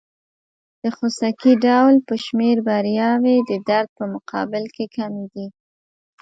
د خوسکي ډول په شمېر بریاوې د درد په مقابل کې کمې دي.